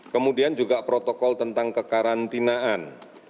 kemudian juga protokol tentang kekarantinaan